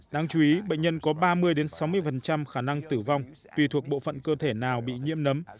đáng chú ý bệnh nhân có ba mươi sáu mươi khả năng tử vong tùy thuộc bộ phận cơ thể nào bị nhiễm nấm